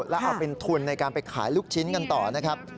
แล้วเอาเป็นทุนในการไปขายลูกชิ้นกันต่อนะครับ